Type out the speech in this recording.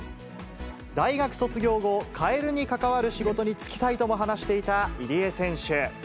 大学卒業後、カエルに関わる仕事に就きたいとも話していた入江選手。